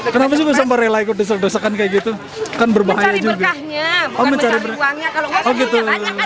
kita mencari pekahnya senang gak sih senang gitu